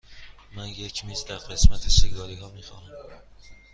من یک میز در قسمت سیگاری ها می خواهم.